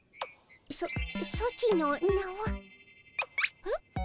ソソチの名は？え？